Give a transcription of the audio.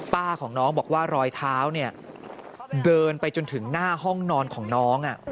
ป้าของน้องบอกว่ารอยเท้าเนี่ยเดินไปจนถึงหน้าห้องนอนของน้อง